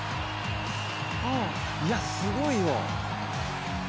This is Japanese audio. いやすごいよ。